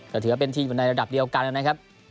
ก็ถือว่าเป็นทีมอยู่ในระดับเดียวกันนะครับ